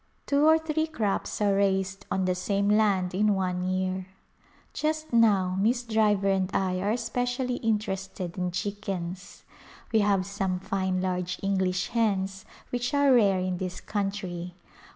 Two or three crops are raised on the same land in one year. Just now Miss Driver and I are especially inter ested in chickens. We have some fine large English hens which are rare in this country.